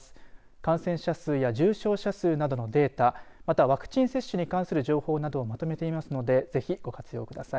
感染者数や重症者数などのデータまたワクチン接種に関する情報などを、まとめていますんでぜひ、ご活用ください。